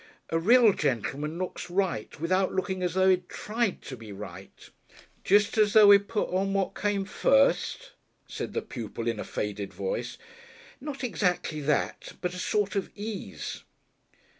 A real gentleman looks right, without looking as though he had tried to be right." "Jest as though 'e'd put on what came first?" said the pupil, in a faded voice. "Not exactly that, but a sort of ease."